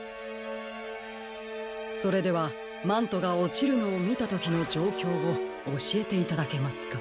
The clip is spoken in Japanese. それではマントがおちるのをみたときのじょうきょうをおしえていただけますか？